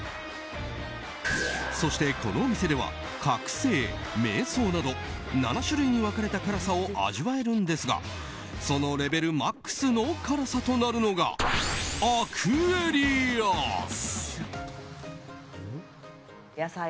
そして、このお店では覚醒、瞑想など７種類に分かれた辛さを味わえるんですがそのレベルマックスの辛さとなるのがアクエリアス。